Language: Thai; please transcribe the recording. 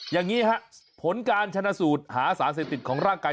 อย่างนี้ฮะผลการชนะสูตรหาสารเสพติดของร่างกาย